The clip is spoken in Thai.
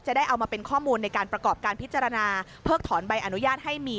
ได้เอามาเป็นข้อมูลในการประกอบการพิจารณาเพิกถอนใบอนุญาตให้มี